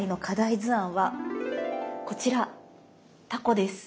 図案はこちら「タコ」です。